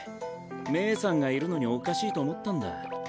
冥さんがいるのにおかしいと思ったんだ。